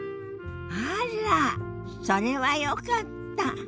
あらっそれはよかった。